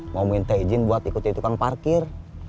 mau minta izin buat ikuti tukang parkir